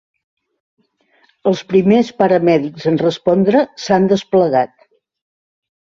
Els primers paramèdics en respondre s'han desplegat.